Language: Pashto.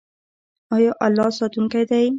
آیا الله ساتونکی دی؟